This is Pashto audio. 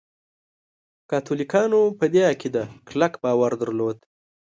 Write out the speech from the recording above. کاتولیکانو په دې عقیده کلک باور درلود.